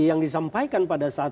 yang disampaikan pada saat